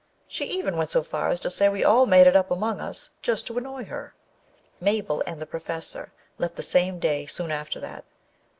She even went so far as to say we all made it up among us just to annoy her. Mabel and the Professor left the same day soon after that.